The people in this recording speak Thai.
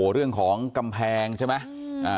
เรื่องของกำแพงใช่ไหม